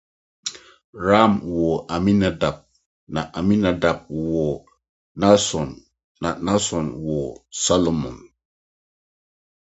He is buried in the Grange cemetery in Edinburgh.